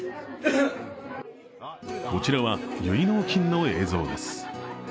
こちらは結納金の映像です。